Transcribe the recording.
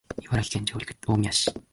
茨城県常陸大宮市